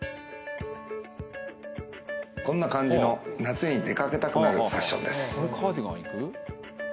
こんな感じの夏に出かけたくなるファッションです。